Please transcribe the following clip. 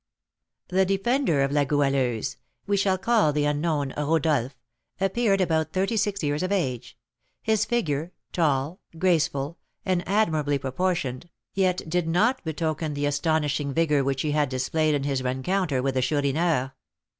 The defender of La Goualeuse (we shall call the unknown Rodolph) appeared about thirty six years of age; his figure, tall, graceful, and admirably proportioned, yet did not betoken the astonishing vigour which he had displayed in his rencounter with the Chourineur.